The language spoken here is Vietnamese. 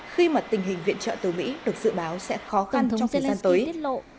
khi mà tình hình viện trợ từ mỹ được dự báo sẽ khó khăn trong thời gian tới